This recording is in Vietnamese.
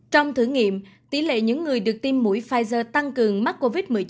trong thử nghiệm tỷ lệ những người được tiêm mũi pfizer tăng cường mắc covid một mươi chín